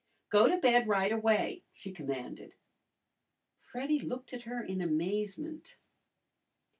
"Go to bed right away," she commanded. Freddy looked at her in amazement.